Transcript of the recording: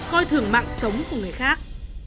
coi thường mạng sống của người khác